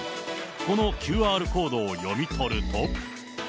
このＱＲコードを読み取ると。